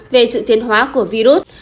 về sự tiến hóa của virus